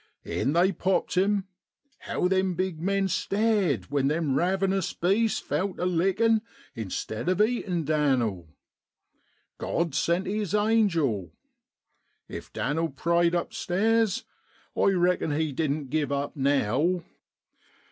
In they popped him. How them big men stared when them ravenous beasts fell to lickin' instead of eating Dan'l ! God sent His angel. If Dan'l prayed upstairs, I reckon he didn't give up now.